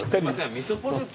みそポテト。